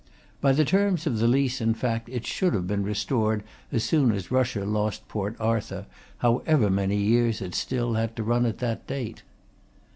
By the terms of the lease, in fact, it should have been restored as soon as Russia lost Port Arthur, however many years it still had to run at that date.